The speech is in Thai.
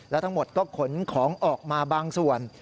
และทั้งหมดก็ขนของออกมาบางส่วน